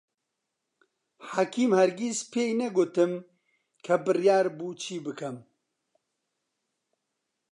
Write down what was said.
حەکیم هەرگیز پێی نەگوتم کە بڕیار بوو چی بکەم.